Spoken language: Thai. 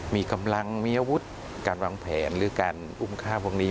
มีกำลังมีอาวุธการวางแผนหรือการอุ้มฆ่าพวกนี้